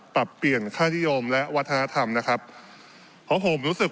ปรับเปลี่ยนค่านิยมและวัฒนธรรมนะครับเพราะผมรู้สึก